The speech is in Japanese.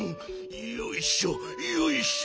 よいしょよいしょ。